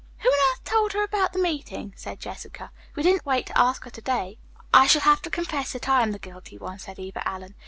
"Who on earth told her about the meeting?" said Jessica. "We didn't wait to ask her to day." "I shall have to confess that I am the guilty one," said Eva Allen.